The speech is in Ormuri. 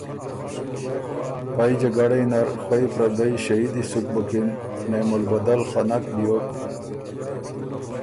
پئ جګړئ نر خوئ پردئ ݭهِدی سُک بُکِن نعم البدل خه نک بیوک،